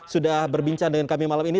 sudah berbincang dengan kami malam ini